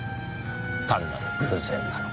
単なる偶然なのか？